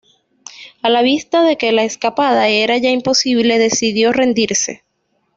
A la vista de que la escapada era ya imposible, decidió rendirse.